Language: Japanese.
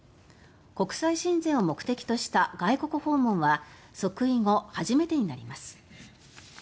国際親善を目的とした外国訪問は即位後初めてになります。